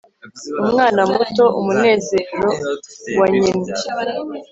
umwana muto, umunezero wa nyina